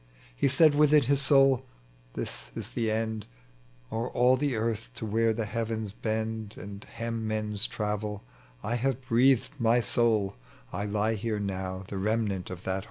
He said within his soul, " This is the end : O'er all the earth to where tbe heavens bend And hem men's travel, I have breathed my soul : I lie here now the remnant of that whole.